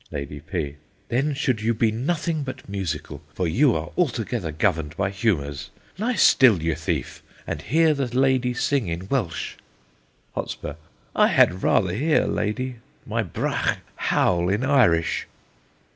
Lady P. Then should you be nothing but musical; for you are altogether governed by humours. Lie still, ye thief, and hear the lady sing in Welsh. Hot. I had rather hear Lady, my brach, howl in Irish.